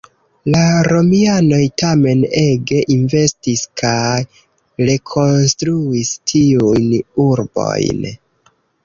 La Romianoj tamen ege investis, kaj rekonstruis tiujn urbojn.